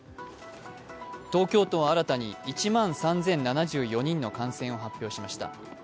東京都は新たに１万３０７４人の感染を発表しました。